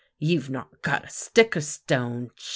" You've not got a stick or stone.